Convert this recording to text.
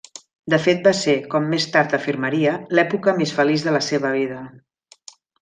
De fet va ser, com més tard afirmaria, l'època més feliç de la seva vida.